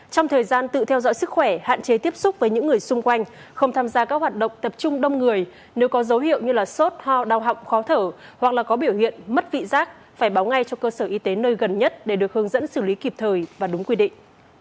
trong thời gian tự theo dõi sức khỏe hạn chế tiếp xúc với những người xung quanh không tham gia các hoạt động tập trung đông người nếu có dấu hiệu như sốt ho đau họng khó thở hoặc là có biểu hiện mất vị giác phải báo ngay cho cơ sở y tế nơi gần nhất để được hướng dẫn xử lý kịp thời và đúng quy định